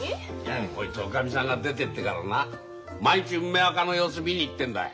こいつおかみさんが出てってからな毎日梅若の様子見に行ってんだよ。